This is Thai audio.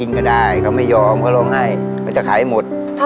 หนูอยากให้มันขายหมดค่ะ